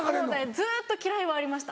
ずっと「嫌い」はありました。